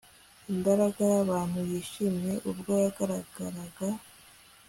Imbaga yabantu yishimye ubwo yagaragaraga